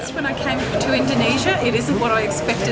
ketika saya datang ke indonesia itu bukan apa yang saya harapkan